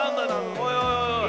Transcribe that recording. おいおいおいおい。